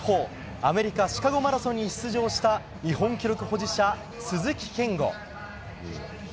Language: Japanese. アメリカシカゴマラソンに出場した日本記録保持者、鈴木健吾。